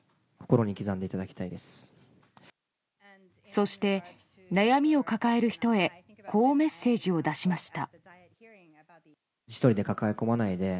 そして、悩みを抱える人へこうメッセージを出しました。